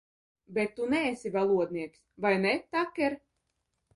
Bet tu neesi valodnieks, vai ne, Taker?